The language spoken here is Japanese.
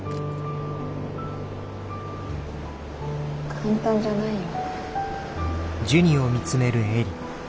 簡単じゃないよ。